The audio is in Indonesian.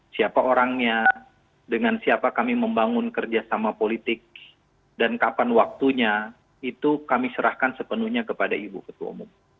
siapa orangnya dengan siapa kami membangun kerjasama politik dan kapan waktunya itu kami serahkan sepenuhnya kepada ibu ketua umum